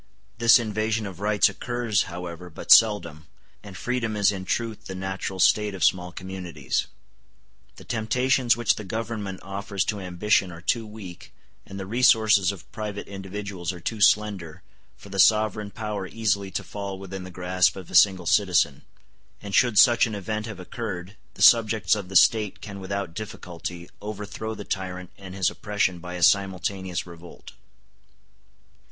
This invasion of rights occurs, however, but seldom, and freedom is in truth the natural state of small communities. The temptations which the Government offers to ambition are too weak, and the resources of private individuals are too slender, for the sovereign power easily to fall within the grasp of a single citizen; and should such an event have occurred, the subjects of the State can without difficulty overthrow the tyrant and his oppression by a simultaneous effort.